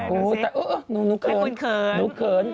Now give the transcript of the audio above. อุ้วแต่นุ่งนุ่งเขิน